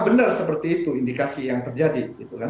benar seperti itu indikasi yang terjadi